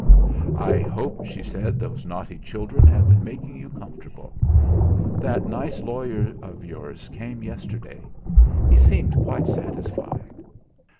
"I hope," she said, "those naughty children have been making you comfortable. That nice lawyer of yours came yesterday. He seemed quite satisfied."